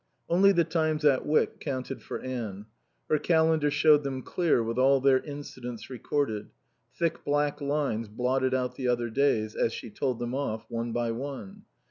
Only the times at Wyck counted for Anne. Her calendar showed them clear with all their incidents recorded; thick black lines blotted out the other days, as she told them off, one by one.